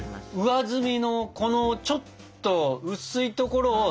上澄みのこのちょっと薄いところを。